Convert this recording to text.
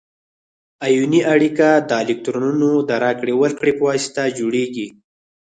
ایوني اړیکه د الکترونونو د راکړې ورکړې په واسطه جوړیږي.